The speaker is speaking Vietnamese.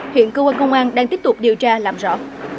hiện cơ quan công an đang tiếp tục điều tra làm rõ